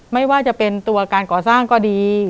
ไม่ว่าจะเป็นตัวการก่อสร้างก็ดี